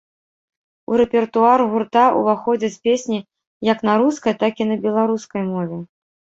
У рэпертуар гурта ўваходзяць песні як на рускай, так і на беларускай мове.